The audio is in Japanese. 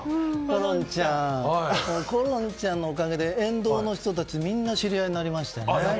コロンちゃんのおかげで沿道の人たちみんな知り合いになりましたね。